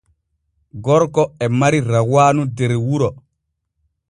Gorko e mari rawaanu der wuro.